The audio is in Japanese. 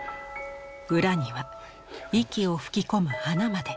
裏には息を吹き込む穴まで。